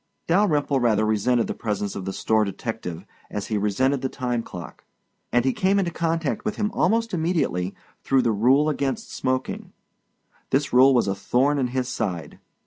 Dalyrimple rather resented the presence of the store detective as he resented the time clock, and he came into contact with him almost immediately through the rule against smoking. This rule was a thorn in his side.